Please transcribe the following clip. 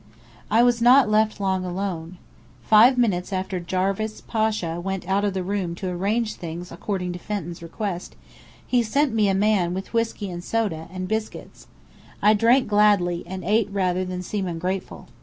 I was not left long alone. Five minutes after Jarvis Pasha went out of the room to "arrange things" according to Fenton's request, he sent me a man with whiskey and soda, and biscuits. I drank gladly, and ate rather than seem ungrateful.